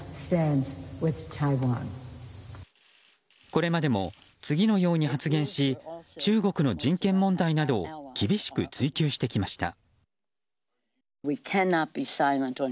これまでも次のように発言し中国の人権問題などを厳しく追及してきました。